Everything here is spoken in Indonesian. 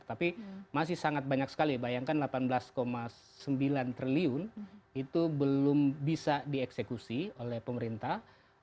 tapi masih sangat banyak sekali bayangkan delapan belas sembilan triliun itu belum bisa dieksekusi oleh pemerintah